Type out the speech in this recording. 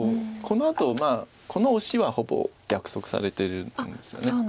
このあとこのオシはほぼ約束されているんですよね。